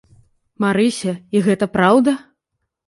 Марыся, і гэта праўда?